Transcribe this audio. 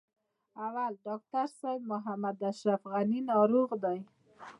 اول: ډاکټر صاحب محمد اشرف غني ناروغ دی.